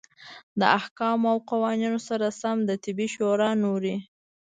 د احکامو او قانون سره سم د طبي شورا نورې